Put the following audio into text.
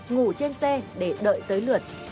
ngủ trên xe để đợi tới lượt